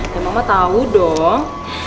ya mama tau dong